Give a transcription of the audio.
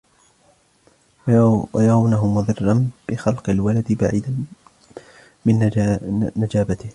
وَيَرَوْنَهُ مُضِرًّا بِخَلْقِ الْوَلَدِ بَعِيدًا مِنْ نَجَابَتِهِ